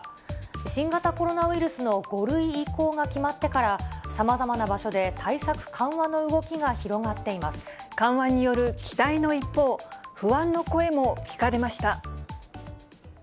新型コロナウイルスの５類移行が決まってから、さまざまな場所で緩和による期待の一方、不安の声も聞かれました。